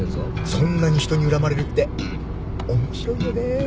そんなに人に恨まれるって面白いよね。